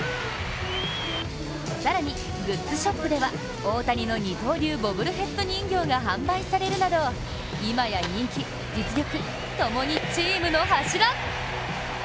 更に、グッズショップでは大谷の二刀流ボブルヘッド人形が販売される中、今や、人気・実力共にチームの柱。